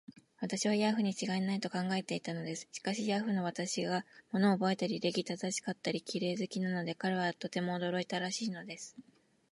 私をヤーフにちがいない、と考えていたのです。しかし、ヤーフの私が物をおぼえたり、礼儀正しかったり、綺麗好きなので、彼はとても驚いたらしいのです。